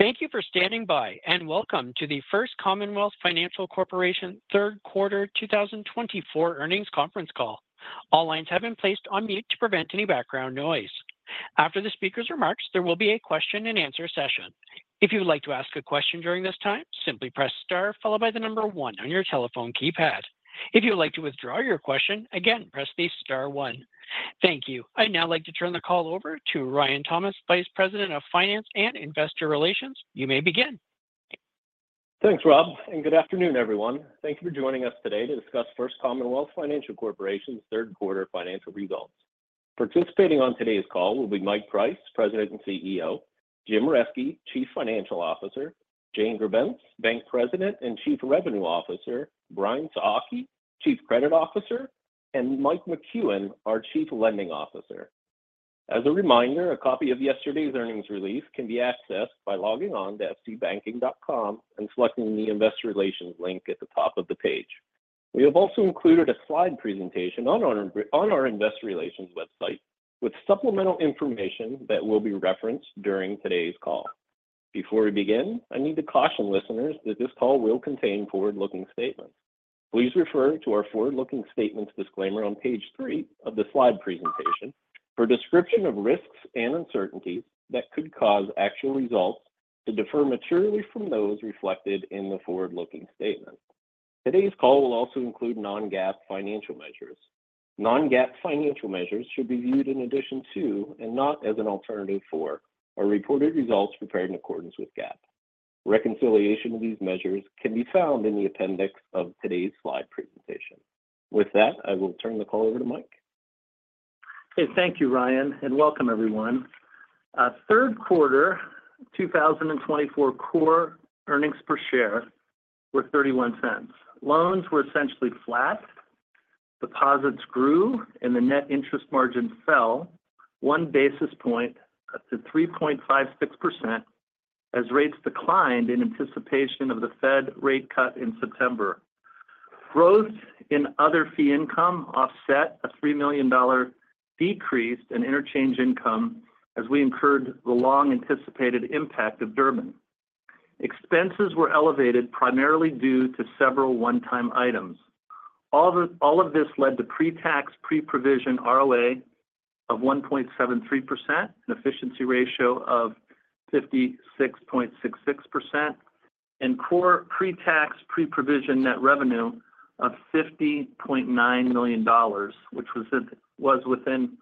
Thank you for standing by, and welcome to the First Commonwealth Financial Corporation Third Quarter 2024 Earnings Conference Call. All lines have been placed on mute to prevent any background noise. After the speaker's remarks, there will be a question-and-answer session. If you would like to ask a question during this time, simply press star, followed by the number one on your telephone keypad. If you would like to withdraw your question, again, press the star one. Thank you. I'd now like to turn the call over to Ryan Thomas, Vice President of Finance and Investor Relations. You may begin. Thanks, Rob, and good afternoon, everyone. Thank you for joining us today to discuss First Commonwealth Financial Corporation's Third Quarter Financial Results. Participating on today's call will be Mike Price, President and CEO, Jim Reske, Chief Financial Officer, Jane Grebenc, Bank President and Chief Revenue Officer, Brian Sohocki, Chief Credit Officer, and Mike McCuen, our Chief Lending Officer. As a reminder, a copy of yesterday's earnings release can be accessed by logging on to fcbanking.com and selecting the Investor Relations link at the top of the page. We have also included a slide presentation on our Investor Relations website with supplemental information that will be referenced during today's call. Before we begin, I need to caution listeners that this call will contain forward-looking statements. Please refer to our forward-looking statements disclaimer on page three of the slide presentation for a description of risks and uncertainties that could cause actual results to differ materially from those reflected in the forward-looking statement. Today's call will also include non-GAAP financial measures. Non-GAAP financial measures should be viewed in addition to, and not as an alternative for, our reported results prepared in accordance with GAAP. Reconciliation of these measures can be found in the appendix of today's slide presentation. With that, I will turn the call over to Mike. Hey, thank you, Ryan, and welcome, everyone. Third quarter 2024 core earnings per share were $0.31. Loans were essentially flat. Deposits grew, and the net interest margin fell one basis point to 3.56% as rates declined in anticipation of the Fed rate cut in September. Growth in other fee income offset a $3 million decrease in interchange income as we incurred the long-anticipated impact of Durbin. Expenses were elevated primarily due to several one-time items. All of this led to pre-tax, pre-provision ROA of 1.73%, an efficiency ratio of 56.66%, and core pre-tax, pre-provision net revenue of $50.9 million, which was within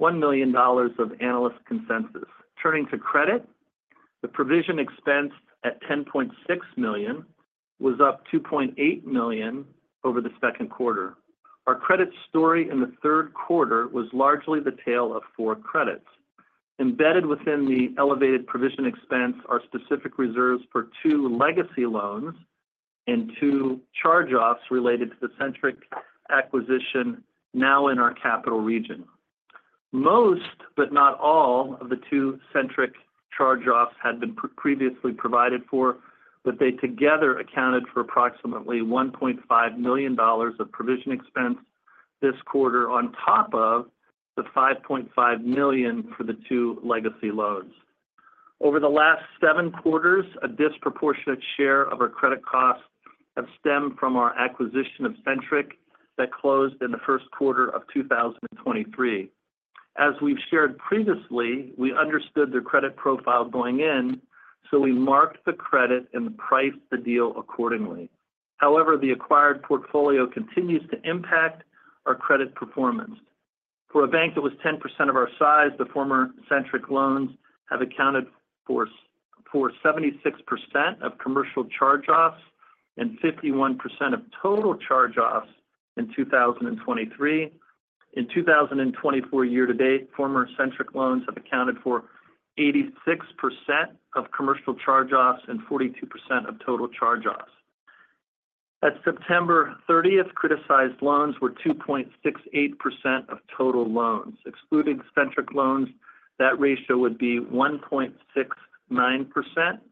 $1 million of analyst consensus. Turning to credit, the provision expense at $10.6 million was up $2.8 million over the second quarter. Our credit story in the third quarter was largely the tale of four credits. Embedded within the elevated provision expense are specific reserves for two legacy loans and two charge-offs related to the Centric acquisition now in our Capital Region. Most, but not all, of the two Centric charge-offs had been previously provided for, but they together accounted for approximately $1.5 million of provision expense this quarter on top of the $5.5 million for the two legacy loans. Over the last seven quarters, a disproportionate share of our credit costs have stemmed from our acquisition of Centric that closed in the first quarter of 2023. As we've shared previously, we understood the credit profile going in, so we marked the credit and priced the deal accordingly. However, the acquired portfolio continues to impact our credit performance. For a bank that was 10% of our size, the former Centric loans have accounted for 76% of commercial charge-offs and 51% of total charge-offs in 2023. In 2024 year-to-date, former Centric loans have accounted for 86% of commercial charge-offs and 42% of total charge-offs. At September 30th, criticized loans were 2.68% of total loans. Excluding Centric loans, that ratio would be 1.69%,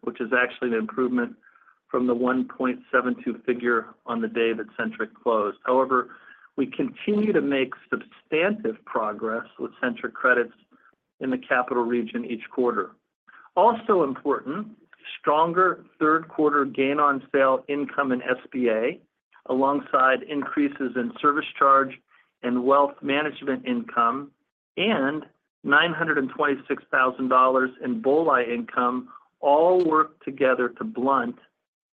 which is actually an improvement from the 1.72 figure on the day that Centric closed. However, we continue to make substantive progress with Centric credits in the Capital Region each quarter. Also important, stronger third quarter gain-on-sale income in SBA, alongside increases in service charge and wealth management income, and $926,000 in BOLI income all work together to blunt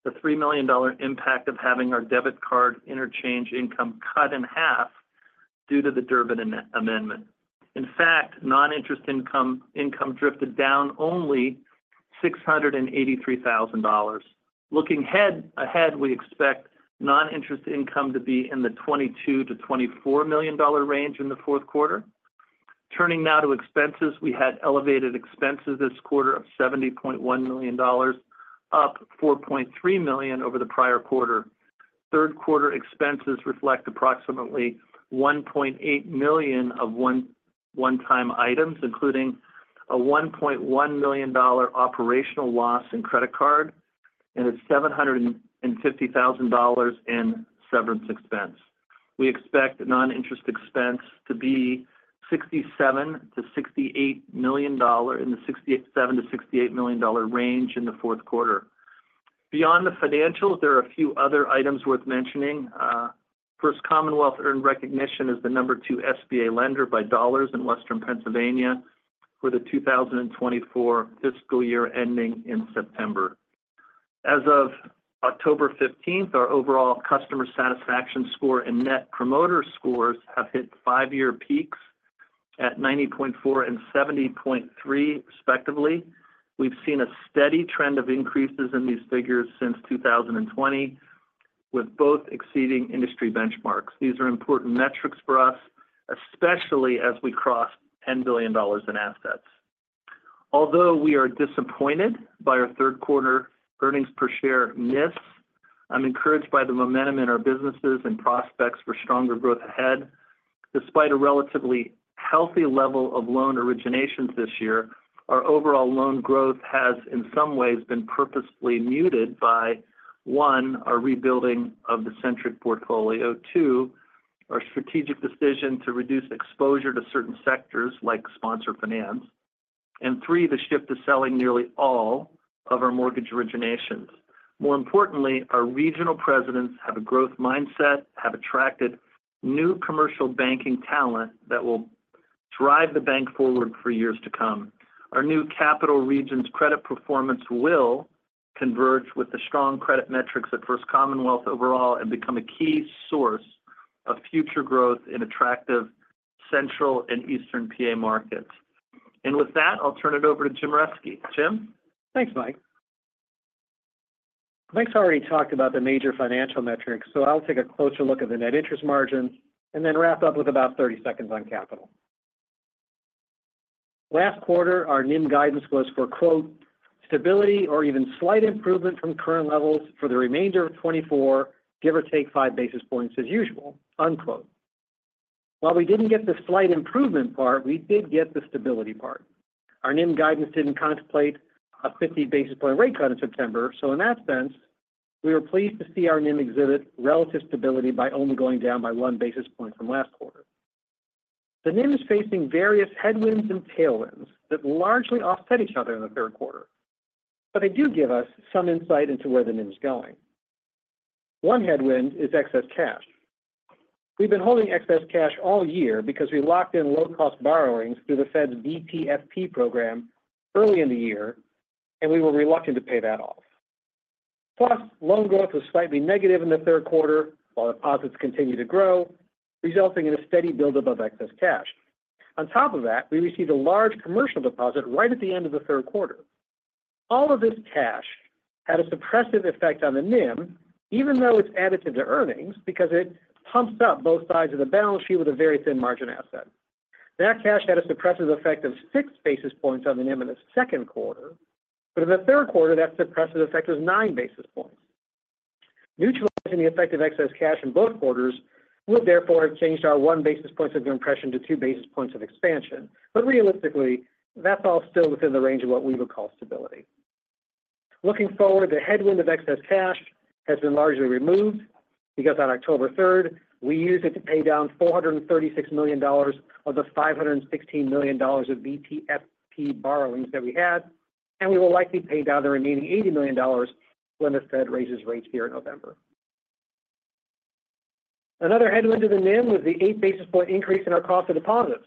the $3 million impact of having our debit card interchange income cut in half due to the Durbin Amendment. In fact, non-interest income drifted down only $683,000. Looking ahead, we expect non-interest income to be in the $22 million-$24 million range in the fourth quarter. Turning now to expenses, we had elevated expenses this quarter of $70.1 million, up $4.3 million over the prior quarter. Third quarter expenses reflect approximately $1.8 million of one-time items, including a $1.1 million operational loss in credit card and a $750,000 in severance expense. We expect non-interest expense to be $67 million to $68 million in the $67 million to $68 million range in the fourth quarter. Beyond the financials, there are a few other items worth mentioning. First Commonwealth earned recognition as the number two SBA lender by dollars in Western Pennsylvania for the 2024 fiscal year ending in September. As of October 15th, our overall customer satisfaction score and Net Promoter Scores have hit five-year peaks at 90.4 and 70.3, respectively. We've seen a steady trend of increases in these figures since 2020, with both exceeding industry benchmarks. These are important metrics for us, especially as we cross $10 billion in assets. Although we are disappointed by our third quarter earnings per share miss, I'm encouraged by the momentum in our businesses and prospects for stronger growth ahead. Despite a relatively healthy level of loan originations this year, our overall loan growth has in some ways been purposefully muted by, one, our rebuilding of the Centric portfolio, two, our strategic decision to reduce exposure to certain sectors like sponsor finance, and three, the shift to selling nearly all of our mortgage originations. More importantly, our regional presidents have a growth mindset, have attracted new commercial banking talent that will drive the bank forward for years to come. Our new Capital Region's credit performance will converge with the strong credit metrics at First Commonwealth overall and become a key source of future growth in attractive central and eastern PA markets. And with that, I'll turn it over to Jim Reske. Jim? Thanks, Mike. Mike's already talked about the major financial metrics, so I'll take a closer look at the net interest margins and then wrap up with about 30 seconds on capital. Last quarter, our NIM guidance was for, "Stability or even slight improvement from current levels for the remainder of 2024, give or take five basis points as usual." While we didn't get the slight improvement part, we did get the stability part. Our NIM guidance didn't contemplate a 50 basis point rate cut in September, so in that sense, we were pleased to see our NIM exhibit relative stability by only going down by one basis point from last quarter. The NIM is facing various headwinds and tailwinds that largely offset each other in the third quarter, but they do give us some insight into where the NIM is going. One headwind is excess cash. We've been holding excess cash all year because we locked in low-cost borrowings through the Fed's BTFP program early in the year, and we were reluctant to pay that off. Plus, loan growth was slightly negative in the third quarter while deposits continued to grow, resulting in a steady buildup of excess cash. On top of that, we received a large commercial deposit right at the end of the third quarter. All of this cash had a suppressive effect on the NIM, even though it's additive to earnings because it pumps up both sides of the balance sheet with a very thin margin asset. That cash had a suppressive effect of six basis points on the NIM in the second quarter, but in the third quarter, that suppressive effect was nine basis points. Neutralizing the effect of excess cash in both quarters would therefore have changed our one basis point of compression to two basis points of expansion, but realistically, that's all still within the range of what we would call stability. Looking forward, the headwind of excess cash has been largely removed because on October 3rd, we used it to pay down $436 million of the $516 million of BTFP borrowings that we had, and we will likely pay down the remaining $80 million when the Fed raises rates here in November. Another headwind to the NIM was the eight basis point increase in our cost of deposits.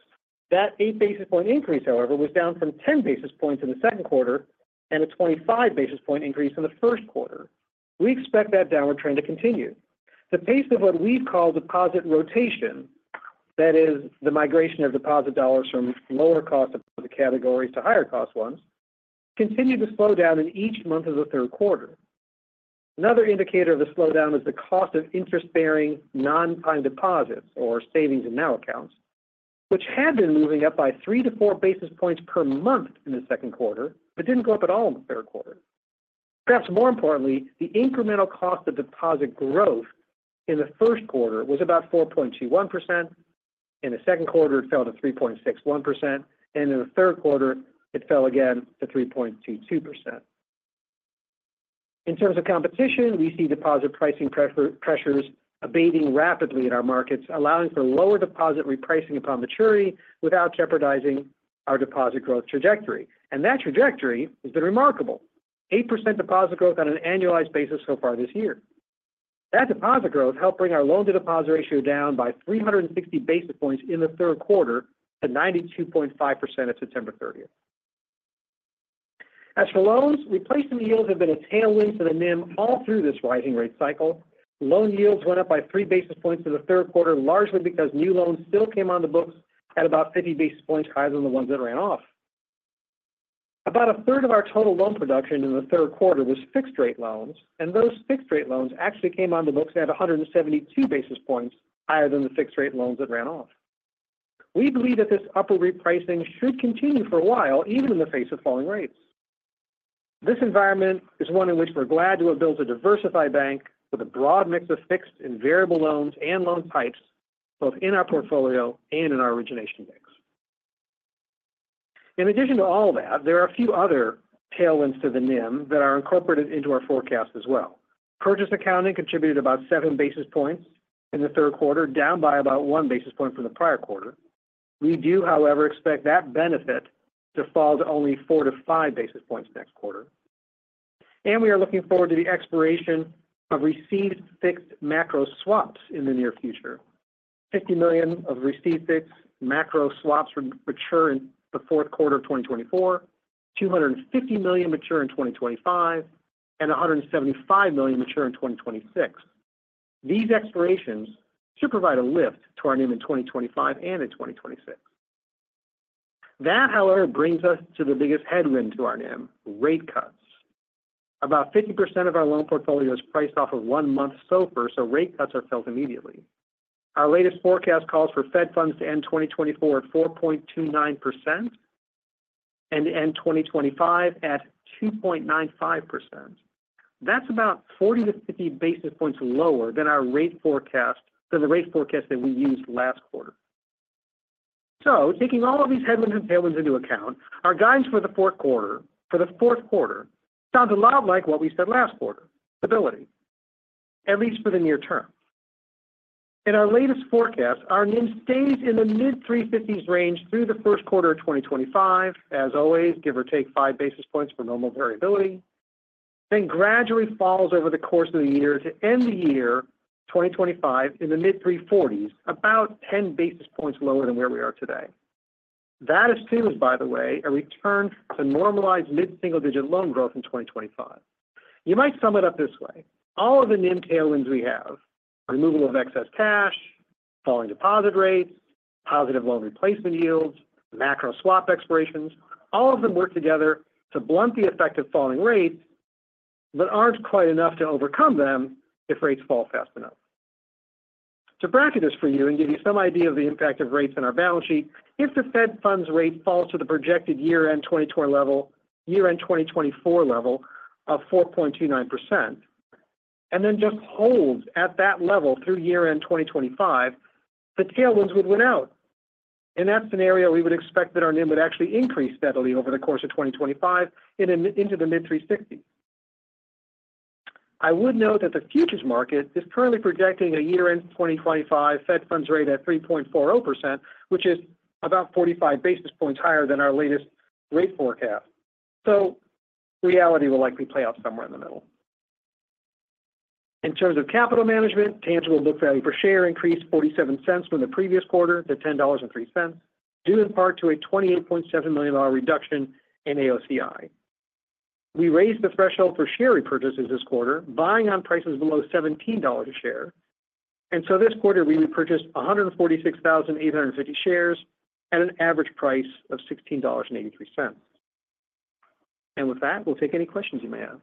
That eight basis point increase, however, was down from 10 basis points in the second quarter and a 25 basis point increase in the first quarter. We expect that downward trend to continue. The pace of what we've called deposit rotation, that is, the migration of deposit dollars from lower cost of the categories to higher cost ones, continued to slow down in each month of the third quarter. Another indicator of the slowdown is the cost of interest-bearing non-time deposits, or savings in NOW accounts, which had been moving up by three to four basis points per month in the second quarter but didn't go up at all in the third quarter. Perhaps more importantly, the incremental cost of deposit growth in the first quarter was about 4.21%. In the second quarter, it fell to 3.61%, and in the third quarter, it fell again to 3.22%. In terms of competition, we see deposit pricing pressures abating rapidly in our markets, allowing for lower deposit repricing upon maturity without jeopardizing our deposit growth trajectory, and that trajectory has been remarkable: 8% deposit growth on an annualized basis so far this year. That deposit growth helped bring our loan-to-deposit ratio down by 360 basis points in the third quarter to 92.5% at September 30th. As for loans, replacement yields have been a tailwind to the NIM all through this rising rate cycle. Loan yields went up by three basis points in the third quarter, largely because new loans still came on the books at about 50 basis points higher than the ones that ran off. About a third of our total loan production in the third quarter was fixed-rate loans, and those fixed-rate loans actually came on the books at 172 basis points higher than the fixed-rate loans that ran off. We believe that this upper repricing should continue for a while, even in the face of falling rates. This environment is one in which we're glad to have built a diversified bank with a broad mix of fixed and variable loans and loan types, both in our portfolio and in our origination mix. In addition to all that, there are a few other tailwinds to the NIM that are incorporated into our forecast as well. Purchase accounting contributed about seven basis points in the third quarter, down by about one basis point from the prior quarter. We do, however, expect that benefit to fall to only four to five basis points next quarter, and we are looking forward to the expiration of receive-fixed macro swaps in the near future. $50 million of receive-fixed macro swaps mature in the fourth quarter of 2024, $250 million mature in 2025, and $175 million mature in 2026. These expirations should provide a lift to our NIM in 2025 and in 2026. That, however, brings us to the biggest headwind to our NIM: rate cuts. About 50% of our loan portfolio is priced off of one-month SOFR, so rate cuts are felt immediately. Our latest forecast calls for Fed funds to end 2024 at 4.29% and end 2025 at 2.95%. That's about 40 basis points to 50 basis points lower than our rate forecast that we used last quarter. So, taking all of these headwinds and tailwinds into account, our guidance for the fourth quarter sounds a lot like what we said last quarter: stability, at least for the near term. In our latest forecast, our NIM stays in the mid-350s range through the first quarter of 2025, as always, give or take five basis points for normal variability, then gradually falls over the course of the year to end the year 2025 in the mid-340s, about 10 basis points lower than where we are today. That assumes, by the way, a return to normalized mid-single-digit loan growth in 2025. You might sum it up this way: all of the NIM tailwinds we have, removal of excess cash, falling deposit rates, positive loan replacement yields, macro swap expirations, all of them work together to blunt the effect of falling rates but aren't quite enough to overcome them if rates fall fast enough. To bracket this for you and give you some idea of the impact of rates on our balance sheet, if the Fed funds rate falls to the projected year-end 2024 level, year-end 2024 level of 4.29%, and then just holds at that level through year-end 2025, the tailwinds would win out. In that scenario, we would expect that our NIM would actually increase steadily over the course of 2025 into the mid-360s. I would note that the futures market is currently projecting a year-end 2025 Fed funds rate at 3.40%, which is about 45 basis points higher than our latest rate forecast. So, reality will likely play out somewhere in the middle. In terms of capital management, tangible book value per share increased $0.47 from the previous quarter to $10.03, due in part to a $28.7 million reduction in AOCI. We raised the threshold for share repurchases this quarter, buying on prices below $17 a share. And so, this quarter, we repurchased 146,850 shares at an average price of $16.83. And with that, we'll take any questions you may have.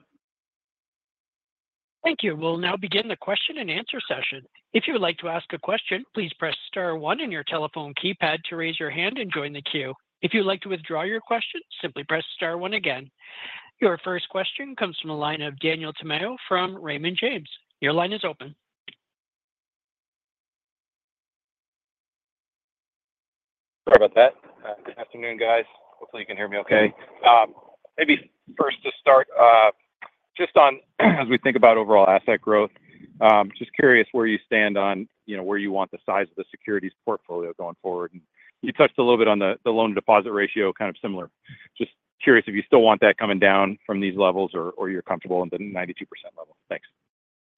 Thank you. We'll now begin the question and answer session. If you would like to ask a question, please press star one in your telephone keypad to raise your hand and join the queue. If you'd like to withdraw your question, simply press star one again. Your first question comes from the line of Daniel Tamayo from Raymond James. Your line is open. Sorry about that. Good afternoon, guys. Hopefully, you can hear me okay. Maybe first to start, just on as we think about overall asset growth, just curious where you stand on where you want the size of the securities portfolio going forward, and you touched a little bit on the loan-to-deposit ratio, kind of similar. Just curious if you still want that coming down from these levels or you're comfortable in the 92% level. Thanks.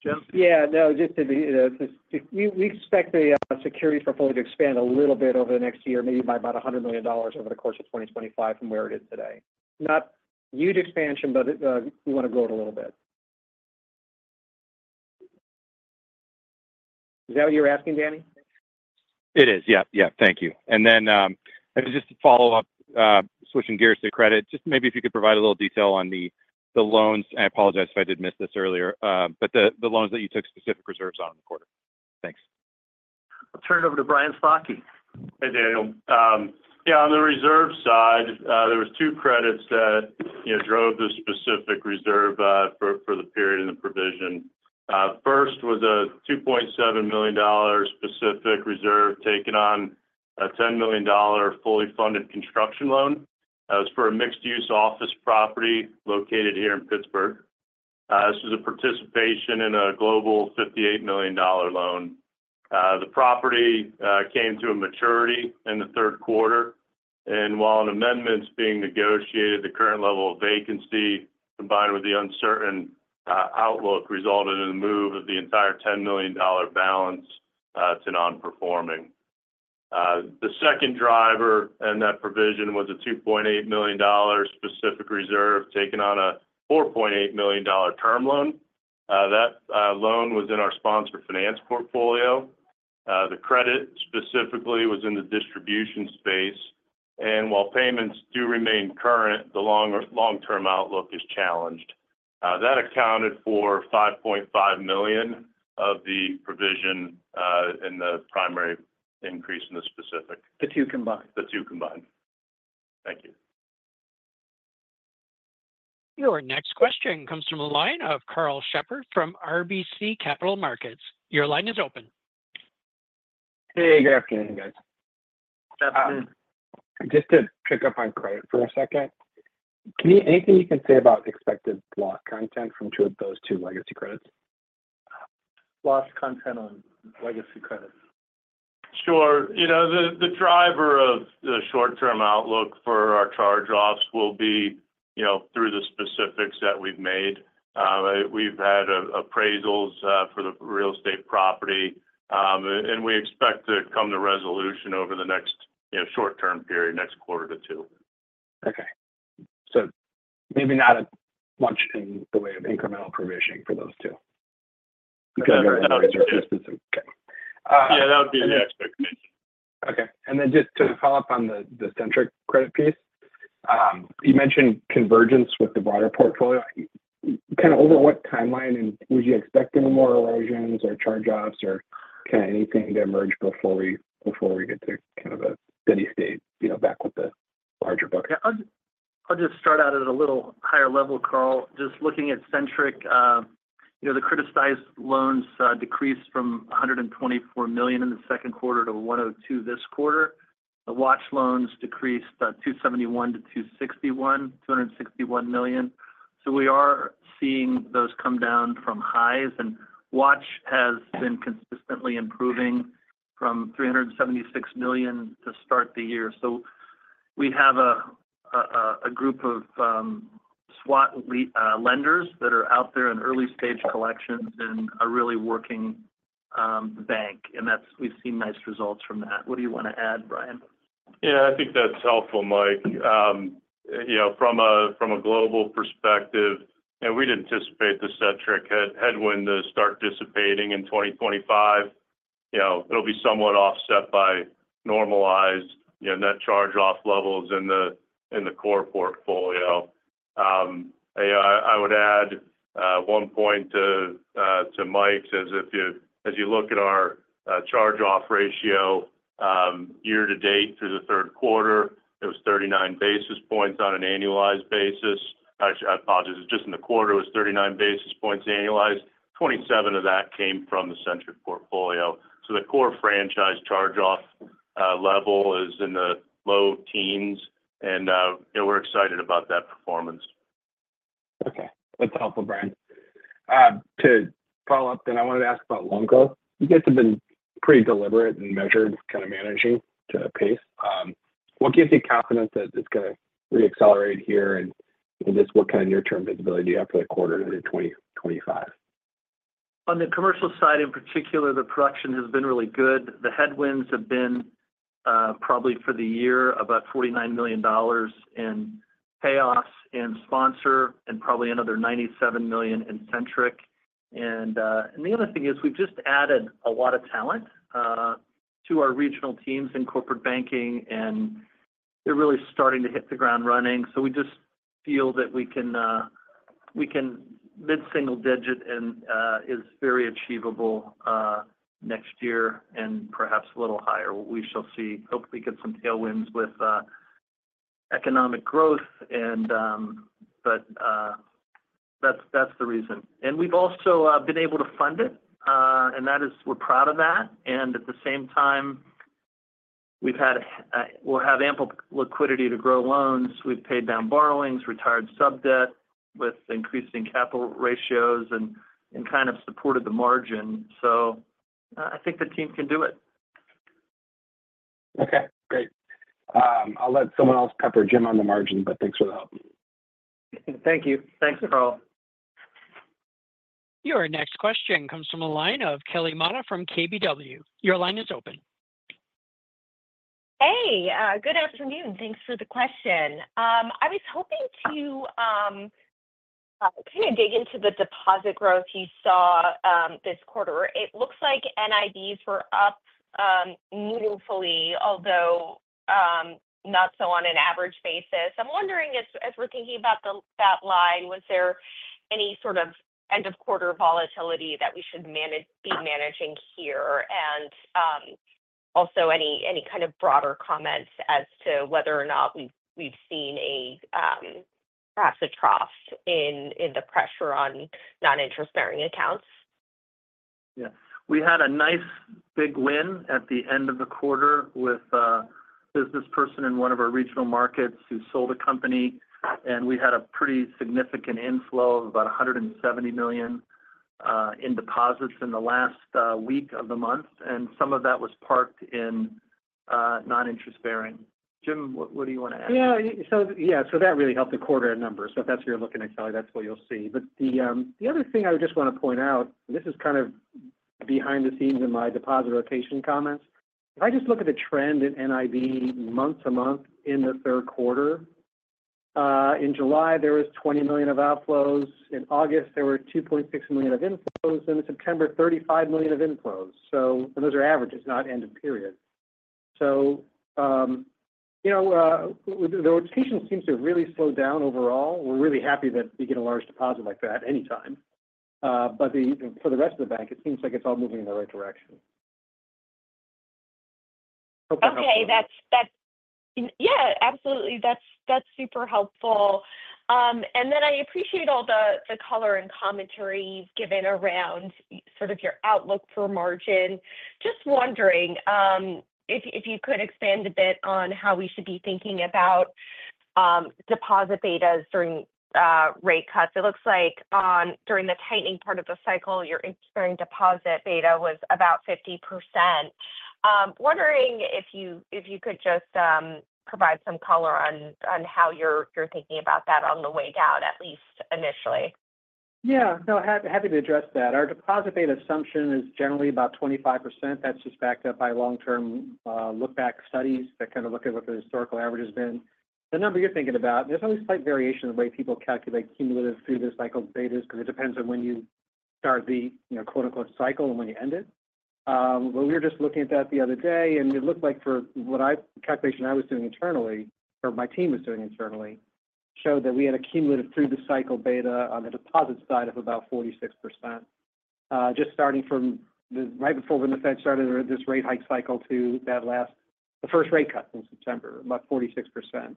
Jim? Yeah. No, just to be we expect the securities portfolio to expand a little bit over the next year, maybe by about $100 million over the course of 2025 from where it is today. Not huge expansion, but we want to grow it a little bit. Is that what you were asking, Daniel? It is. Yeah. Yeah. Thank you. And then just to follow up, switching gears to credit, just maybe if you could provide a little detail on the loans, I apologize if I did miss this earlier, but the loans that you took specific reserves on in the quarter. Thanks. I'll turn it over to Brian Sohocki. Hey, Daniel. Yeah. On the reserve side, there were two credits that drove the specific reserve for the period and the provision. First was a $2.7 million specific reserve taken on a $10 million fully funded construction loan. It was for a mixed-use office property located here in Pittsburgh. This was a participation in a global $58 million loan. The property came to a maturity in the third quarter, and while an amendment's being negotiated, the current level of vacancy, combined with the uncertain outlook, resulted in a move of the entire $10 million balance to non-performing. The second driver in that provision was a $2.8 million specific reserve taken on a $4.8 million term loan. That loan was in our sponsor finance portfolio. The credit specifically was in the distribution space, and while payments do remain current, the long-term outlook is challenged. That accounted for $5.5 million of the provision in the primary increase in the specific. The two combined. The two combined. Thank you. Your next question comes from a line of Karl Shepard from RBC Capital Markets. Your line is open. Hey. Good afternoon, guys. Just to pick up on credit for a second, anything you can say about expected loss content from two of those two legacy credits? Loss content on legacy credits? Sure. The driver of the short-term outlook for our charge-offs will be through the specifics that we've made. We've had appraisals for the real estate property, and we expect to come to resolution over the next short-term period, next quarter to two. Okay, so maybe not much in the way of incremental provisioning for those two. Yeah. That would be the expectation. Okay. And then just to follow up on the Centric credit piece, you mentioned convergence with the broader portfolio. Kind of over what timeline, and would you expect any more erosions or charge-offs or kind of anything to emerge before we get to kind of a steady state back with the larger book? I'll just start out at a little higher level, Karl. Just looking at Centric, the criticized loans decreased from $124 million in the second quarter to $102 million this quarter. The watch loans decreased $271 million to $261 million. So we are seeing those come down from highs, and watch has been consistently improving from $376 million to start the year. So we have a group of SNC lenders that are out there in early-stage collections and are really working the bank. And we've seen nice results from that. What do you want to add, Brian? Yeah. I think that's helpful, Mike. From a global perspective, we'd anticipate the Centric headwind to start dissipating in 2025. It'll be somewhat offset by normalized net charge-off levels in the core portfolio. I would add one point to Mike's is, as you look at our charge-off ratio year-to-date through the third quarter, it was 39 basis points on an annualized basis. Actually, I apologize. It's just in the quarter, it was 39 basis points annualized. 27 of that came from the Centric portfolio. So the core franchise charge-off level is in the low teens, and we're excited about that performance. Okay. That's helpful, Brian. To follow up, then I wanted to ask about loan growth. You guys have been pretty deliberate and measured kind of managing to pace. What gives you confidence that it's going to reaccelerate here, and just what kind of near-term visibility do you have for the quarter to 2025? On the commercial side in particular, the production has been really good. The headwinds have been probably for the year about $49 million in payoffs and sponsor and probably another $97 million in Centric. And the other thing is we've just added a lot of talent to our regional teams in corporate banking, and they're really starting to hit the ground running. So we just feel that we can mid-single digit and is very achievable next year and perhaps a little higher. We shall see. Hopefully, get some tailwinds with economic growth, but that's the reason. And we've also been able to fund it, and we're proud of that. And at the same time, we'll have ample liquidity to grow loans. We've paid down borrowings, retired sub-debt with increasing capital ratios and kind of supported the margin. So I think the team can do it. Okay. Great. I'll let someone else pepper Jim on the margin, but thanks for the help. Thank you. Thanks, Karl. Your next question comes from a line of Kelly Motta from KBW. Your line is open. Hey. Good afternoon. Thanks for the question. I was hoping to kind of dig into the deposit growth you saw this quarter. It looks like NIBs were up meaningfully, although not so on an average basis. I'm wondering, as we're thinking about that line, was there any sort of end-of-quarter volatility that we should be managing here? And also, any kind of broader comments as to whether or not we've seen perhaps a trough in the pressure on non-interest-bearing accounts? Yeah. We had a nice big win at the end of the quarter with a business person in one of our regional markets who sold a company. And we had a pretty significant inflow of about $170 million in deposits in the last week of the month. And some of that was parked in non-interest-bearing. Jim, what do you want to add? Yeah. So yeah. So that really helped the quarter in numbers. So if that's what you're looking at, Kelly, that's what you'll see. But the other thing I would just want to point out, and this is kind of behind the scenes in my deposit rotation comments, if I just look at the trend in NIB month to month in the third quarter, in July, there was $20 million of outflows. In August, there were $2.6 million of inflows. In September, $35 million of inflows. And those are averages, not end-of-period. So the rotation seems to have really slowed down overall. We're really happy that you get a large deposit like that anytime. But for the rest of the bank, it seems like it's all moving in the right direction. Okay. Yeah. Absolutely. That's super helpful, and then I appreciate all the color and commentary you've given around sort of your outlook for margin. Just wondering if you could expand a bit on how we should be thinking about deposit betas during rate cuts. It looks like during the tightening part of the cycle, your incurred deposit beta was about 50%. Wondering if you could just provide some color on how you're thinking about that on the way down, at least initially. Yeah. So happy to address that. Our deposit beta assumption is generally about 25%. That's just backed up by long-term look-back studies that kind of look at what the historical average has been. The number you're thinking about, there's always slight variation in the way people calculate cumulative through the cycle betas because it depends on when you start the "cycle" and when you end it. But we were just looking at that the other day, and it looked like for what I calculation I was doing internally or my team was doing internally showed that we had a cumulative through the cycle beta on the deposit side of about 46%, just starting from right before when the Fed started this rate hike cycle to that last the first rate cut in September, about 46%.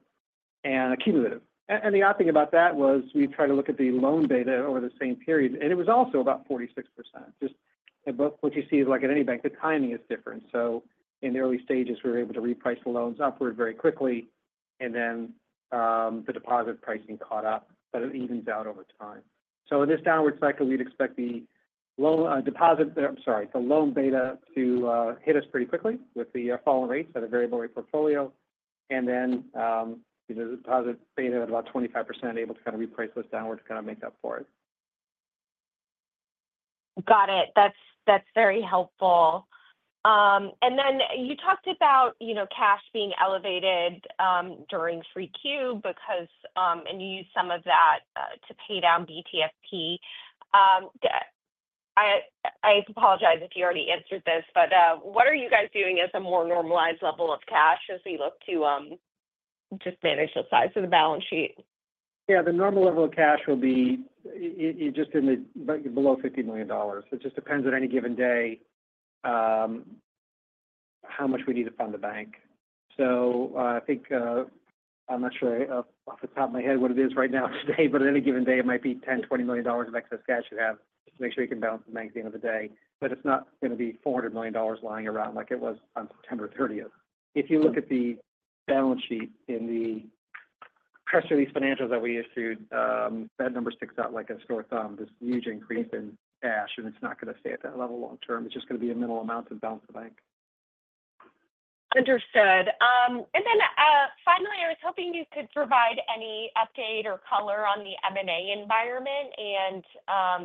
And a cumulative. The odd thing about that was we tried to look at the loan beta over the same period, and it was also about 46%. Just what you see is, like at any bank, the timing is different. So in the early stages, we were able to reprice the loans upward very quickly, and then the deposit pricing caught up, but it evens out over time. So in this downward cycle, we'd expect the deposit, I'm sorry, the loan beta to hit us pretty quickly with the falling rates at a variable-rate portfolio. And then the deposit beta at about 25% able to kind of reprice us downward to kind of make up for it. Got it. That's very helpful. And then you talked about cash being elevated during 3Q because you used some of that to pay down BTFP. I apologize if you already answered this, but what are you guys doing as a more normalized level of cash as we look to just manage the size of the balance sheet? Yeah. The normal level of cash will be just below $50 million. It just depends on any given day how much we need to fund the bank. So I think I'm not sure off the top of my head what it is right now today, but on any given day, it might be $10 million-$20 million of excess cash you have to make sure you can balance the bank at the end of the day. But it's not going to be $400 million lying around like it was on September 30th. If you look at the balance sheet in the press release financials that we issued, that number sticks out like a sore thumb, this huge increase in cash, and it's not going to stay at that level long-term. It's just going to be a minimal amount to balance the bank. Understood. And then finally, I was hoping you could provide any update or color on the M&A environment and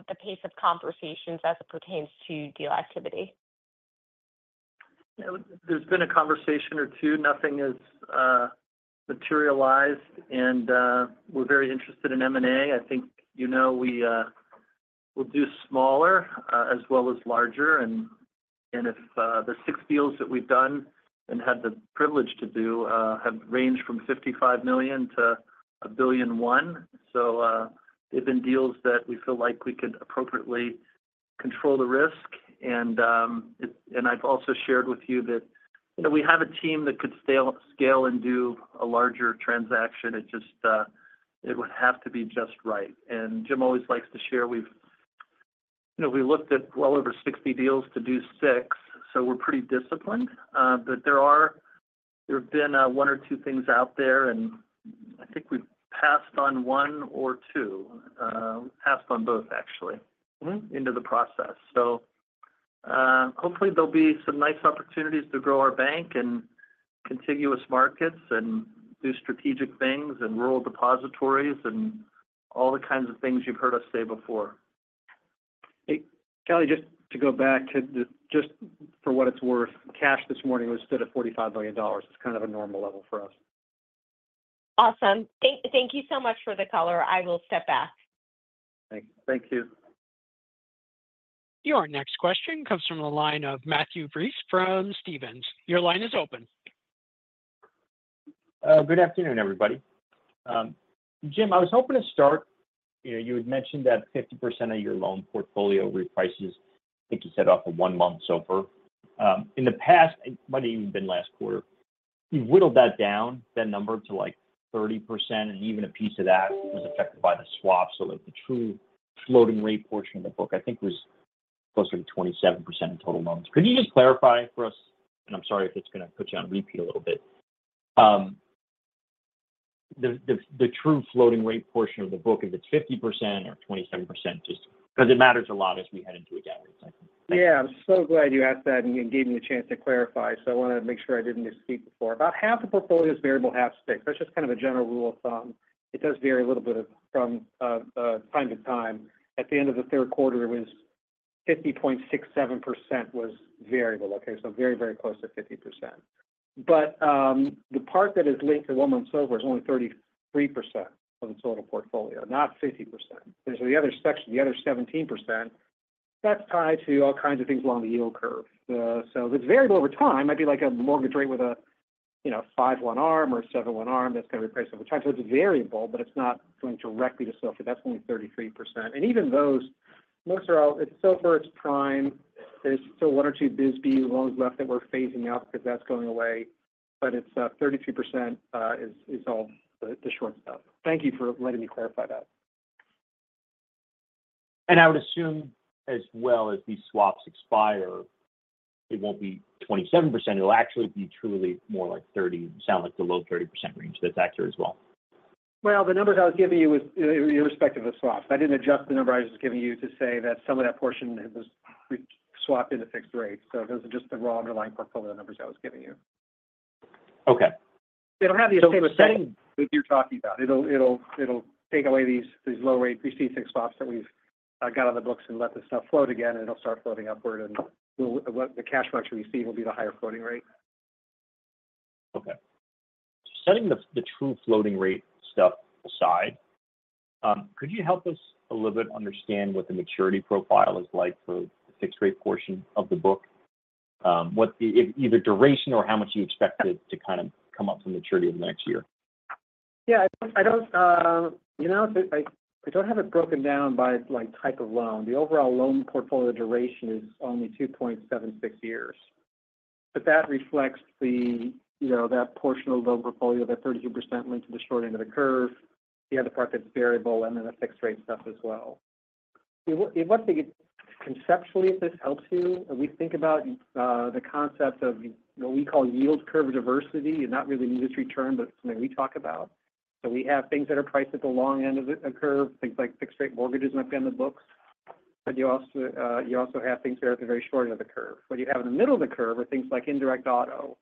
the pace of conversations as it pertains to deal activity. There's been a conversation or two. Nothing has materialized, and we're very interested in M&A. I think you know we'll do smaller as well as larger, and if the six deals that we've done and had the privilege to do have ranged from $55 million to $1.1 billion, so they've been deals that we feel like we could appropriately control the risk, and I've also shared with you that we have a team that could scale and do a larger transaction. It would have to be just right, and Jim always likes to share. We looked at well over 60 deals to do six, so we're pretty disciplined, but there have been one or two things out there, and I think we've passed on one or two. We passed on both, actually, into the process. So hopefully, there'll be some nice opportunities to grow our bank and contiguous markets and do strategic things and rural depositories and all the kinds of things you've heard us say before. Kelly, just to go back to just for what it's worth, cash this morning was still at $45 million. It's kind of a normal level for us. Awesome. Thank you so much for the color. I will step back. Thank you. Your next question comes from the line of Matt Breese from Stephens. Your line is open. Good afternoon, everybody. Jim, I was hoping to start. You had mentioned that 50% of your loan portfolio reprices, I think you said off of one-month SOFR. In the past, it might have even been last quarter. You whittled that down, that number, to like 30%, and even a piece of that was affected by the swap. So the true floating rate portion of the book, I think, was closer to 27% of total loans. Could you just clarify for us? And I'm sorry if it's going to put you on the spot a little bit. The true floating rate portion of the book, if it's 50% or 27%, just because it matters a lot as we head into a rate-cutting cycle. Yeah. I'm so glad you asked that and gave me a chance to clarify. So I wanted to make sure I didn't misspeak before. About half the portfolio is variable, half fixed. That's just kind of a general rule of thumb. It does vary a little bit from time to time. At the end of the third quarter, it was 50.67% variable. Okay. So very, very close to 50%. But the part that is linked to one-month SOFR is only 33% of the total portfolio, not 50%. And so the other section, the other 17%, that's tied to all kinds of things along the yield curve. So it's variable over time. It might be like a mortgage rate with a 5-1 ARM or a 7-1 ARM that's going to reprice over time. So it's variable, but it's not going directly to SOFR. That's only 33%. Even those, most are all it's SOFR, it's Prime. There's still one or two BSBY loans left that we're phasing out because that's going away. But it's 33% is all the short stuff. Thank you for letting me clarify that. I would assume, as well as these swaps expire, it won't be 27%. It'll actually be truly more like 30%, sounds like the low 30% range. That's accurate as well. The numbers I was giving you were irrespective of swaps. I didn't adjust the number I was just giving you to say that some of that portion was swapped into fixed rates. Those are just the raw underlying portfolio numbers I was giving you. Okay. They don't have the same effect as you're talking about. It'll take away these low-rate receive-fixed swaps that we've got on the books and let the stuff float again, and it'll start floating upward, and the cash flows we receive will be the higher floating rate. Okay. Setting the true floating rate stuff aside, could you help us a little bit understand what the maturity profile is like for the fixed rate portion of the book, either duration or how much you expect it to kind of come up to maturity over the next year? Yeah. I don't have it broken down by type of loan. The overall loan portfolio duration is only 2.76 years. But that reflects that portion of the loan portfolio, that 32% linked to the short end of the curve, the other part that's variable, and then the fixed rate stuff as well. If one thing conceptually if this helps you, we think about the concept of what we call yield curve diversity. Not really an industry term, but it's something we talk about. So we have things that are priced at the long end of the curve, things like fixed rate mortgages might be on the books. But you also have things that are at the very short end of the curve. What you have in the middle of the curve are things like indirect auto.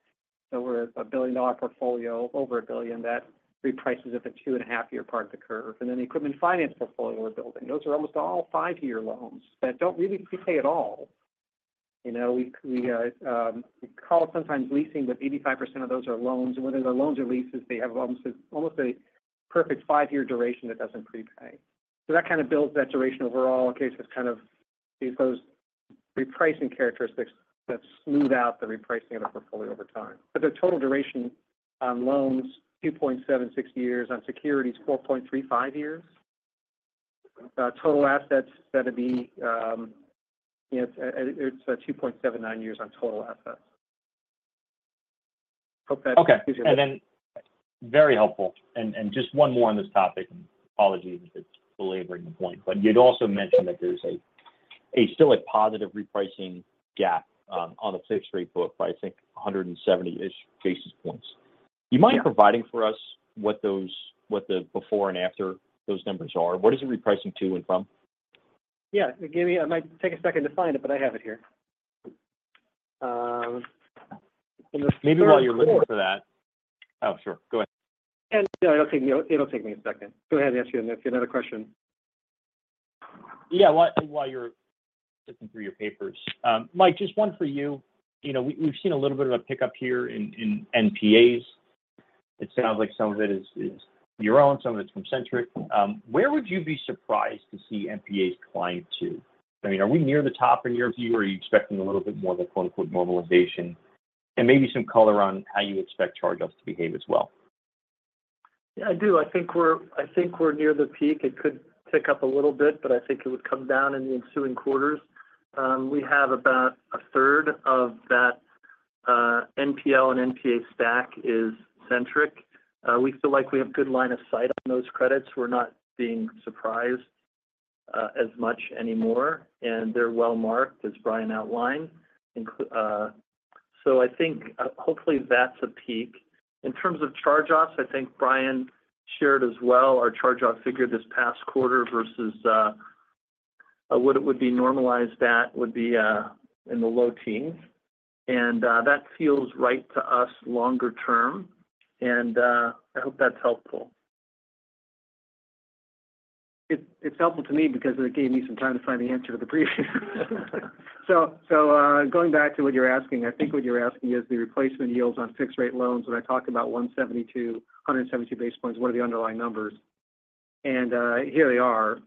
We're a billion-dollar portfolio, over a billion, that reprices at the two-and-a-half-year part of the curve. And then the equipment finance portfolio we're building. Those are almost all five-year loans that don't really prepay at all. We call it sometimes leasing, but 85% of those are loans. And whether they're loans or leases, they have almost a perfect five-year duration that doesn't prepay. That kind of builds that duration overall in case it's kind of these repricing characteristics that smooth out the repricing of the portfolio over time. But the total duration on loans, 2.76 years. On securities, 4.35 years. Total assets, that'd be it's 2.79 years on total assets. Hope that gives you a heads up. Okay. And then very helpful. And just one more on this topic. Apologies if it's belaboring the point. But you'd also mentioned that there's still a positive repricing gap on the fixed rate book, but I think 170-ish basis points. You mind providing for us what the before and after those numbers are? What is it repricing to and from? Yeah. Give me a minute. Take a second to find it, but I have it here. Maybe while you're looking for that. Oh, sure. Go ahead. It'll take me a second. Go ahead and ask your next question. Yeah. While you're sifting through your papers, Mike, just one for you. We've seen a little bit of a pickup here in NPAs. It sounds like some of it is your own. Some of it's from Centric. Where would you be surprised to see NPAs climb to? I mean, are we near the top in your view, or are you expecting a little bit more of a "normalization" and maybe some color on how you expect charge-offs to behave as well? Yeah, I do. I think we're near the peak. It could tick up a little bit, but I think it would come down in the ensuing quarters. We have about a third of that NPL and NPA stack is Centric. We feel like we have good line of sight on those credits. We're not being surprised as much anymore, and they're well marked, as Brian outlined, so I think hopefully that's a peak. In terms of charge-offs, I think Brian shared as well our charge-off figure this past quarter versus what it would be normalized at would be in the low teens, and that feels right to us longer term, and I hope that's helpful. It's helpful to me because it gave me some time to find the answer to the previous. Going back to what you're asking, I think what you're asking is the replacement yields on fixed rate loans. And I talked about 172 basis points. What are the underlying numbers? And here they are,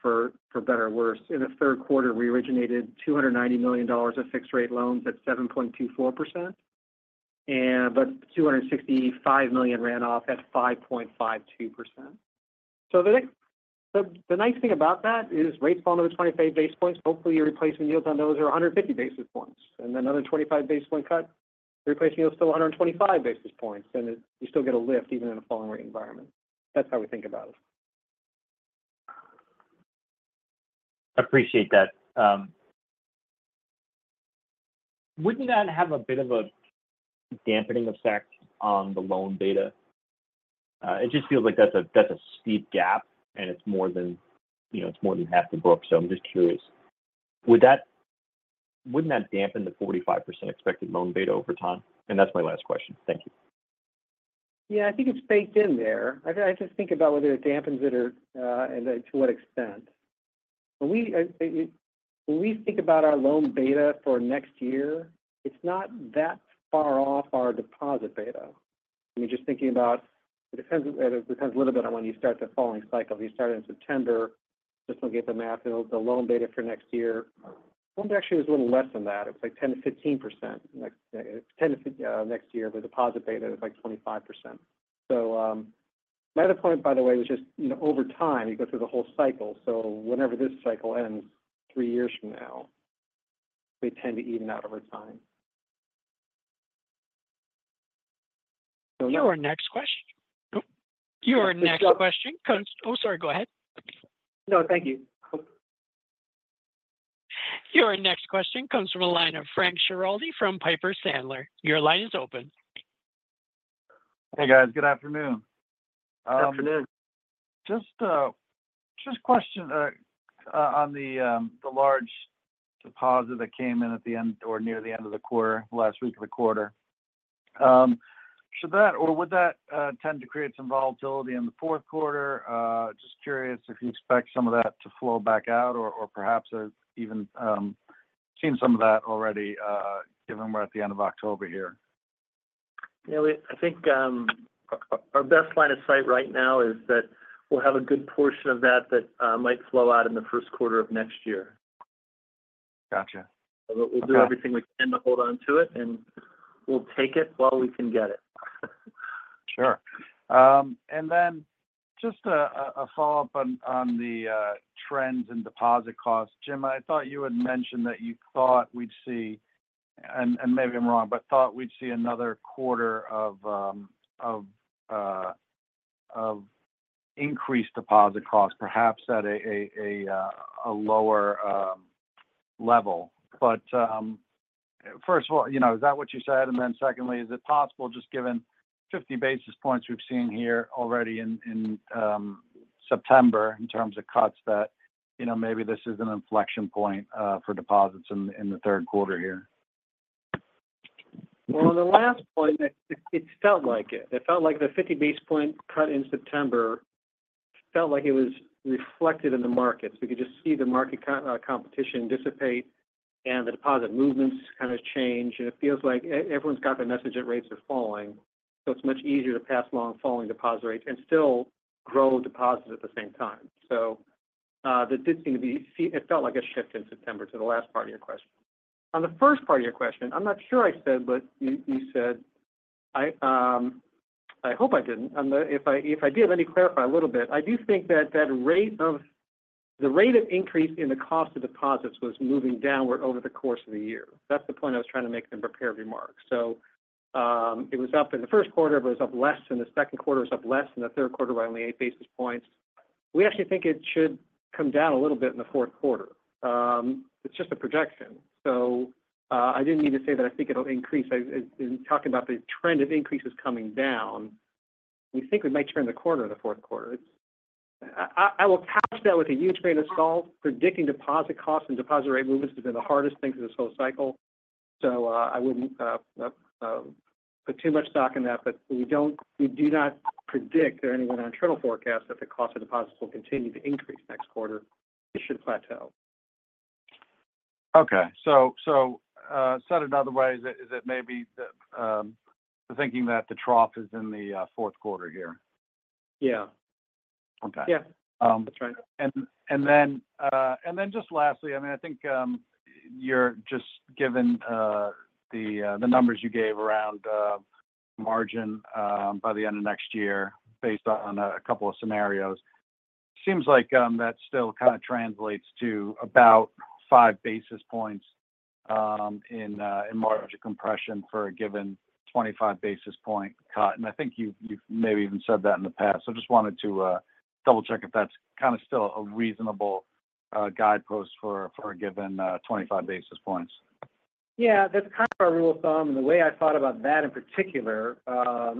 for better or worse. In the third quarter, we originated $290 million of fixed rate loans at 7.24%. But $265 million ran off at 5.52%. So the nice thing about that is rates fall another 25 basis points. Hopefully, your replacement yields on those are 150 basis points. And another 25 basis point cut, the replacement yields still 125 basis points. And you still get a lift even in a falling rate environment. That's how we think about it. I appreciate that. Wouldn't that have a bit of a dampening effect on the loan beta? It just feels like that's a steep gap, and it's more than half the book. So I'm just curious. Wouldn't that dampen the 45% expected loan beta over time? And that's my last question. Thank you. Yeah. I think it's baked in there. I just think about whether it dampens it or to what extent. When we think about our loan beta for next year, it's not that far off our deposit beta. I mean, just thinking about it depends a little bit on when you start the following cycle. If you start in September, just looking at the math, the loan beta for next year, loan actually is a little less than that. It's like 10%-15%. Next year, the deposit beta is like 25%. So my other point, by the way, was just over time, you go through the whole cycle. So whenever this cycle ends three years from now, we tend to even out over time. Your next question. Oh, sorry. Go ahead. No, thank you. Your next question comes from a line of Frank Schiraldi from Piper Sandler. Your line is open. Hey, guys. Good afternoon. Good afternoon. Just a question on the large deposit that came in at the end or near the end of the quarter, last week of the quarter. Should that or would that tend to create some volatility in the fourth quarter? Just curious if you expect some of that to flow back out or perhaps even seen some of that already given we're at the end of October here. Yeah. I think our best line of sight right now is that we'll have a good portion of that that might flow out in the first quarter of next year. Gotcha. We'll do everything we can to hold on to it, and we'll take it while we can get it. Sure. And then just a follow-up on the trends in deposit costs. Jim, I thought you had mentioned that you thought we'd see, and maybe I'm wrong, but thought we'd see another quarter of increased deposit costs, perhaps at a lower level. But first of all, is that what you said? And then secondly, is it possible, just given 50 basis points we've seen here already in September in terms of cuts, that maybe this is an inflection point for deposits in the third quarter here? The last point, it felt like it. It felt like the 50 basis point cut in September felt like it was reflected in the markets. We could just see the market competition dissipate and the deposit movements kind of change, and it feels like everyone's got the message that rates are falling, so it's much easier to pass along falling deposit rates and still grow deposits at the same time, so that did seem to be. It felt like a shift in September to the last part of your question. On the first part of your question, I'm not sure I said, but you said. I hope I didn't. If I did, let me clarify a little bit. I do think that the rate of increase in the cost of deposits was moving downward over the course of the year. That's the point I was trying to make in the prepared remarks. So it was up in the first quarter, but it was up less. In the second quarter, it was up less. In the third quarter, by only eight basis points. We actually think it should come down a little bit in the fourth quarter. It's just a projection. So I didn't mean to say that I think it'll increase. In talking about the trend of increases coming down, we think we might turn the corner in the fourth quarter. I will couch that with a huge grain of salt. Predicting deposit costs and deposit rate movements has been the hardest thing through this whole cycle. So I wouldn't put too much stock in that. But we do not predict or anyone in our internal forecast that the cost of deposits will continue to increase next quarter. It should plateau. Okay. So said it another way, is it maybe the thinking that the trough is in the fourth quarter here? Yeah. Okay. Yeah. That's right. And then just lastly, I mean, I think you're just given the numbers you gave around margin by the end of next year based on a couple of scenarios. Seems like that still kind of translates to about five basis points in margin compression for a given 25 basis point cut. And I think you've maybe even said that in the past. So I just wanted to double-check if that's kind of still a reasonable guidepost for a given 25 basis points? Yeah. That's kind of our rule of thumb. And the way I thought about that in particular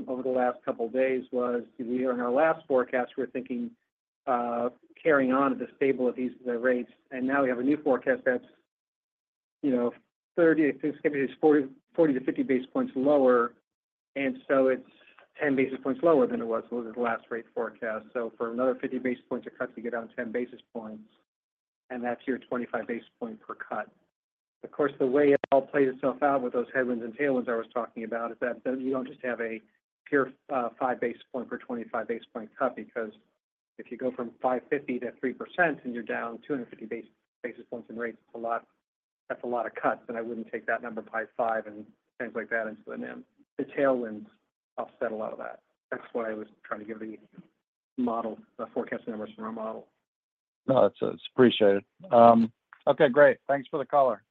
over the last couple of days was we were in our last forecast, we're thinking carrying on at the stable of these rates. And now we have a new forecast that's 30, I think it's going to be 40 base points to 50 basis points lower. And so it's 10 basis points lower than it was when it was the last rate forecast. So for another 50 basis points to cut, you get down 10 basis points. And that's your 25 basis points per cut. Of course, the way it all plays itself out with those headwinds and tailwinds I was talking about is that you don't just have a pure 5 basis points per 25 basis points cut because if you go from 5.50 to 3% and you're down 250 basis points in rates, that's a lot of cuts. And I wouldn't take that number by 5 and things like that into the tailwinds offset a lot of that. That's what I was trying to give the model forecasting numbers from our model. No, that's appreciated. Okay. Great. Thanks for the caller.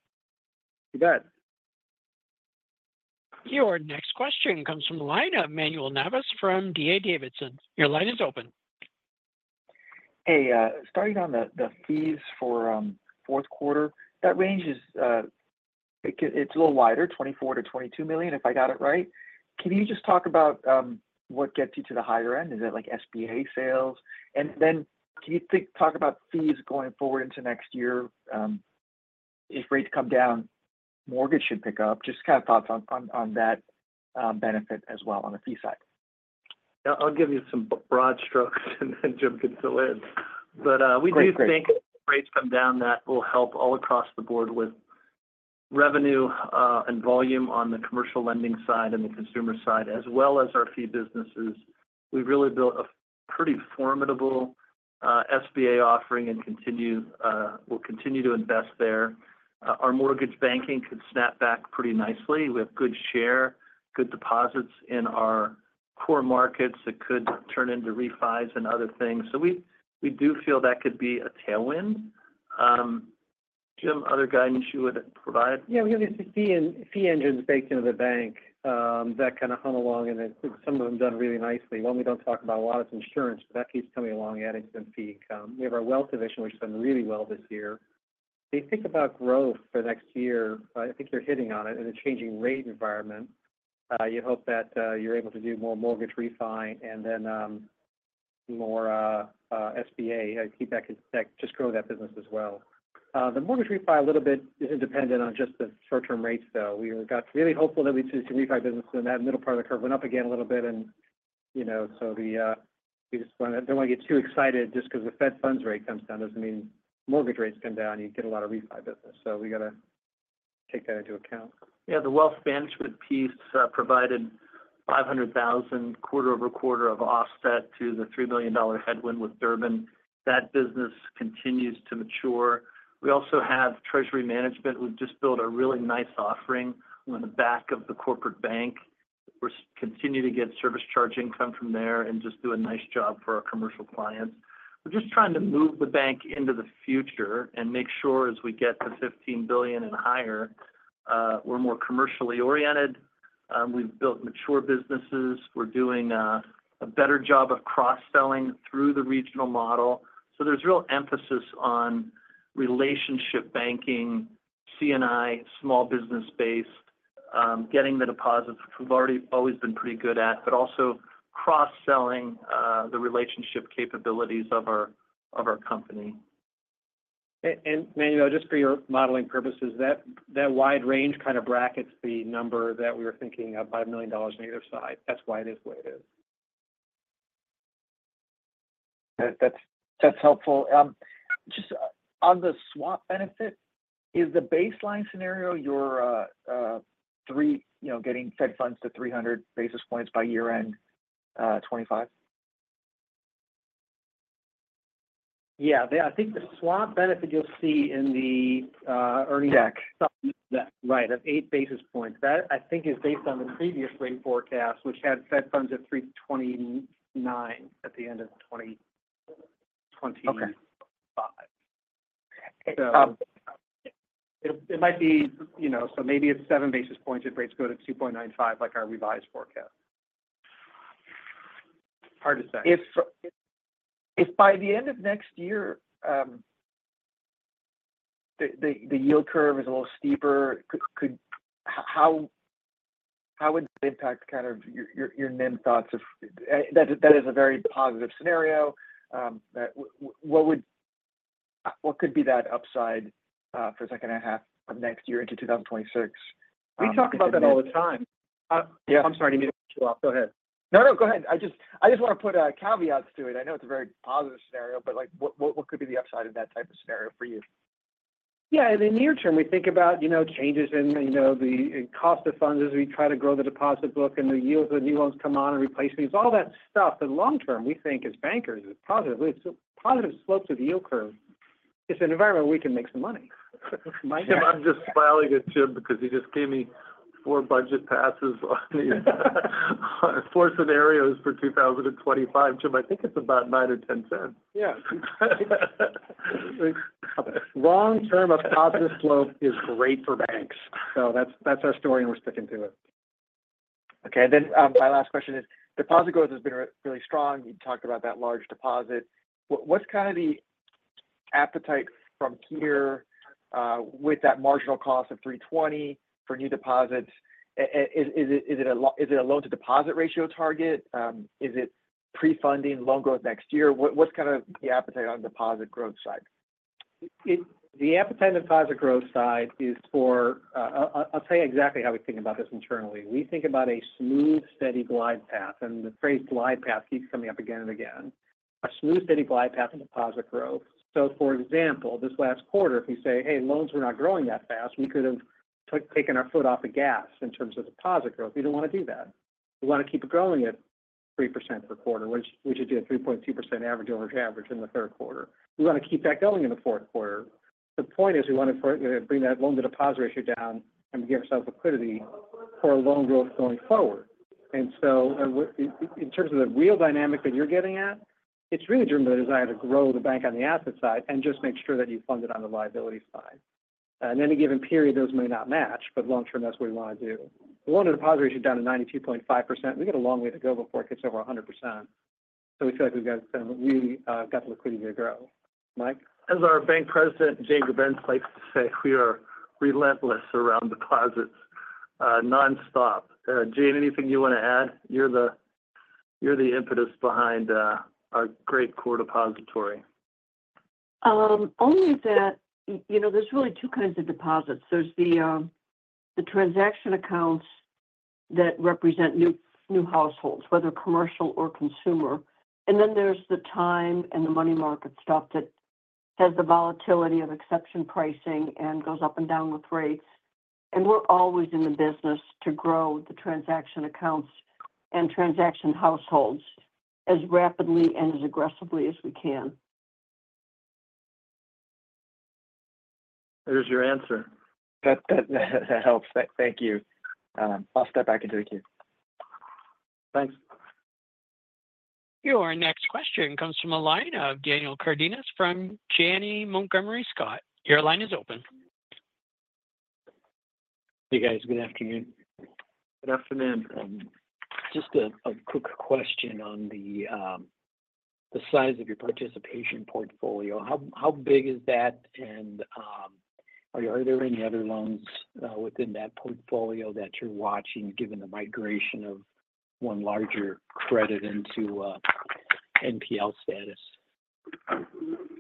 You bet. Your next question comes from Manuel Navas from D.A. Davidson. Your line is open. Hey. Starting on the fees for fourth quarter, that range is a little wider, $24 million to $22 million, if I got it right. Can you just talk about what gets you to the higher end? Is it like SBA sales? And then can you talk about fees going forward into next year? If rates come down, mortgage should pick up. Just kind of thoughts on that benefit as well on the fee side. I'll give you some broad strokes and then jump into it. But we do think if rates come down, that will help all across the board with revenue and volume on the commercial lending side and the consumer side, as well as our fee businesses. We've really built a pretty formidable SBA offering and will continue to invest there. Our mortgage banking could snap back pretty nicely. We have good share, good deposits in our core markets that could turn into refis and other things. So we do feel that could be a tailwind. Jim, other guidance you would provide? Yeah. We have these fee engines baked into the bank that kind of hung along, and some of them done really nicely. One we don't talk about a lot is insurance, but that keeps coming along, adding to the fee. We have our wealth division, which has done really well this year. If you think about growth for next year, I think you're hitting on it in a changing rate environment. You hope that you're able to do more mortgage refi and then more SBA feedback and just grow that business as well. The mortgage refi, a little bit, isn't dependent on just the short-term rates, though. We got really hopeful that we'd see some refi business, and that middle part of the curve went up again a little bit, and so we just want to, don't want to get too excited just because the Fed funds rate comes down. Doesn't mean mortgage rates come down. You get a lot of refi business. So we got to take that into account. Yeah. The wealth management piece provided $500,000 quarter-over-quarter of offset to the $3 million headwind with Durbin. That business continues to mature. We also have treasury management. We've just built a really nice offering on the back of the corporate bank. We're continuing to get service charging come from there and just do a nice job for our commercial clients. We're just trying to move the bank into the future and make sure as we get to $15 billion and higher, we're more commercially oriented. We've built mature businesses. We're doing a better job of cross-selling through the regional model. So there's real emphasis on relationship banking, C&I, small business-based, getting the deposits we've always been pretty good at, but also cross-selling the relationship capabilities of our company. Manuel, just for your modeling purposes, that wide range kind of brackets the number that we were thinking of, $5 million on either side. That's why it is the way it is. That's helpful. Just on the swap benefit, is the baseline scenario you're getting Fed funds to 300 basis points by year-end 2025? Yeah. I think the swap benefit you'll see in the earnings deck. Right. Of eight basis points. That I think is based on the previous rate forecast, which had Fed funds at 329 at the end of 2025. So it might be - so maybe it's seven basis points if rates go to 2.95, like our revised forecast. Hard to say. If by the end of next year the yield curve is a little steeper, how would that impact kind of your NIM thoughts? That is a very positive scenario. What could be that upside for the second half of next year into 2026? We talk about that all the time. Yeah. I'm sorry. I didn't mean to cut you off. Go ahead. No, no. Go ahead. I just want to put caveats to it. I know it's a very positive scenario, but what could be the upside in that type of scenario for you? Yeah. In the near term, we think about changes in the cost of funds as we try to grow the deposit book and the yields of the new loans come on and replacements, all that stuff. But long term, we think as bankers, it's positive. It's a positive slope to the yield curve. It's an environment where we can make some money. Jim, I'm just smiling at Jim because he just gave me four budget passes on four scenarios for 2025. Jim, I think it's about $0.09-$0.10. Yeah. Long-term of positive slope is great for banks. So that's our story, and we're sticking to it. Okay, and then my last question is, deposit growth has been really strong. You talked about that large deposit. What's kind of the appetite from here with that marginal cost of 320 for new deposits? Is it a loan-to-deposit ratio target? Is it pre-funding loan growth next year? What's kind of the appetite on the deposit growth side? The appetite on the deposit growth side is for, I'll tell you exactly how we think about this internally. We think about a smooth, steady glide path, and the phrase glide path keeps coming up again and again. A smooth, steady glide path in deposit growth, so for example, this last quarter, if we say, "Hey, loans were not growing that fast," we could have taken our foot off the gas in terms of deposit growth. We don't want to do that. We want to keep growing at 3% per quarter, which we should do at 3.2% average over average in the third quarter. We want to keep that going in the fourth quarter. The point is we want to bring that loan-to-deposit ratio down and give ourselves liquidity for loan growth going forward. And so in terms of the real dynamic that you're getting at, it's really driven by the desire to grow the bank on the asset side and just make sure that you fund it on the liability side. And in any given period, those may not match, but long term, that's what we want to do. We want the deposit ratio down to 92.5%. We got a long way to go before it gets over 100%. So we feel like we've got the liquidity to grow. Mike. As our Bank President, Jane Grebenc likes to say, we are relentless around deposits nonstop. Jane, anything you want to add? You're the impetus behind our great core depository. Only that there's really two kinds of deposits. There's the transaction accounts that represent new households, whether commercial or consumer, and then there's the time and the money market stuff that has the volatility of exception pricing and goes up and down with rates, and we're always in the business to grow the transaction accounts and transaction households as rapidly and as aggressively as we can. There's your answer. That helps. Thank you. I'll step back into the queue. Thanks. Your next question comes from Daniel Cardenas from Janney Montgomery Scott. Your line is open. Hey, guys. Good afternoon. Good afternoon. Just a quick question on the size of your participation portfolio. How big is that? And are there any other loans within that portfolio that you're watching given the migration of one larger credit into NPL status?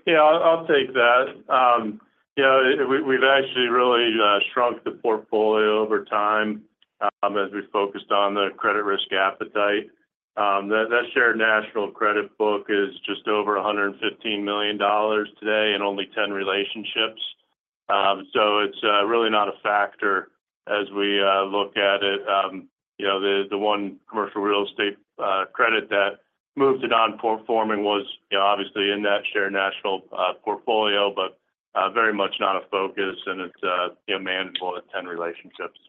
Yeah. I'll take that. Yeah. We've actually really shrunk the portfolio over time as we focused on the credit risk appetite. That Shared National Credit book is just over $115 million today in only 10 relationships. So it's really not a factor as we look at it. The one commercial real estate credit that moved to non-performing was obviously in that Shared National Credit portfolio, but very much not a focus. And it's manageable at 10 relationships.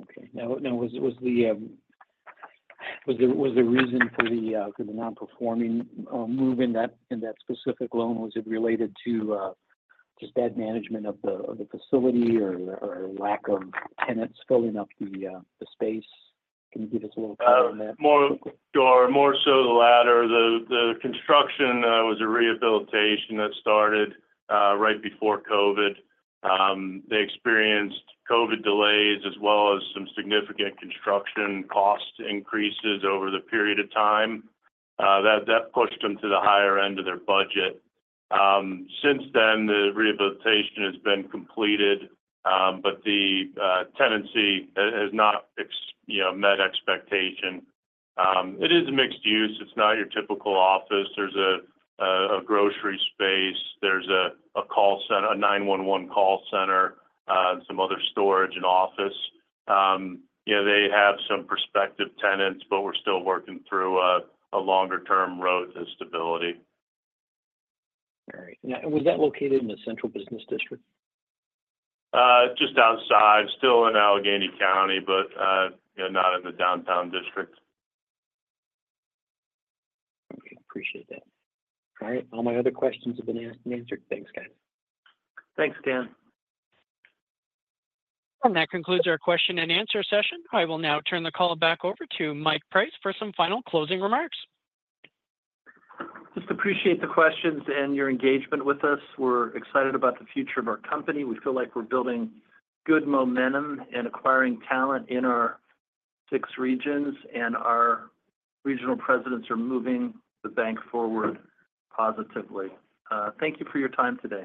Okay. Now, was the reason for the non-performing move in that specific loan, was it related to just bad management of the facility or lack of tenants filling up the space? Can you give us a little clarity on that? More so the latter. The construction was a rehabilitation that started right before COVID. They experienced COVID delays as well as some significant construction cost increases over the period of time. That pushed them to the higher end of their budget. Since then, the rehabilitation has been completed, but the tenancy has not met expectation. It is mixed use. It's not your typical office. There's a grocery space. There's a 911 call center, some other storage, and office. They have some prospective tenants, but we're still working through a longer-term road to stability. All right, and was that located in the central business district? Just outside. Still in Allegheny County, but not in the downtown district. Okay. Appreciate that. All right. All my other questions have been asked and answered. Thanks, guys. Thanks, Dan. That concludes our question and answer session. I will now turn the call back over to Mike Price for some final closing remarks. Just appreciate the questions and your engagement with us. We're excited about the future of our company. We feel like we're building good momentum and acquiring talent in our six regions. And our regional presidents are moving the bank forward positively. Thank you for your time today.